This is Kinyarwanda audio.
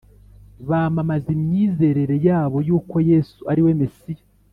bamamaza imyizerere yabo y uko Yesu ari we Mesiya